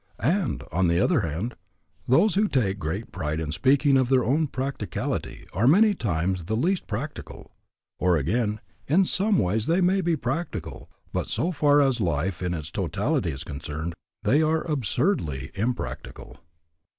And, on the other hand, those who take great pride in speaking of their own practicality are many times the least practical. Or again, in some ways they may be practical, but so far as life in its totality is concerned, they are absurdly impractical.